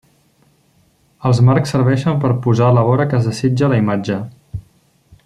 Els marcs serveixen per posar la vora que es desitja a la imatge.